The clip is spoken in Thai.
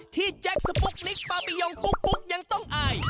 แจ็คสปุ๊กนิกปาปิยองกุ๊กยังต้องอาย